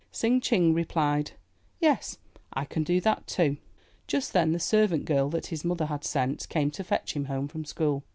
Tsing Ching replied, "Yes, I can do that, too." Just then the servant girl, that his mother had sent, came to fetch him home from school.